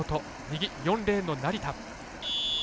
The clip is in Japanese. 右、４レーンの成田。